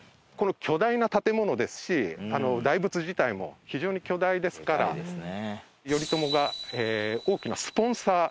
巨大な建物ですし大仏自体も非常に巨大ですから頼朝が大きなスポンサーですね。